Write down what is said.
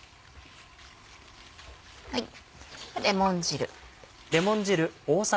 レモン汁。